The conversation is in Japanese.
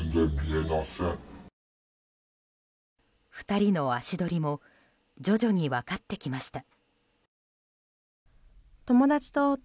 ２人の足取りも徐々に分かってきました。